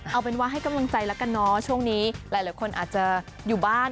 เอาเป็นว่าให้กำลังใจแล้วกันเนาะช่วงนี้หลายคนอาจจะอยู่บ้าน